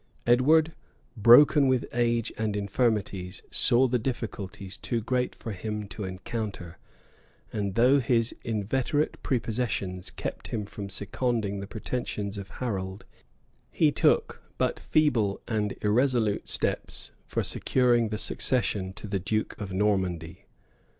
Edward, broken with age and infirmities, saw the difficulties too great for him to encounter; and though his inveterate prepossessions kept him from seconding the pretensions of Harold, he took but feeble and irresolute steps for securing the succession to the duke of Normandy.